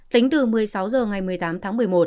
tính từ một mươi sáu h ngày một mươi tám tháng một mươi một